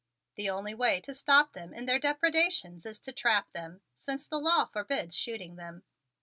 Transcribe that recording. The only way to stop them in their depredations is to trap them, since the law forbids shooting them."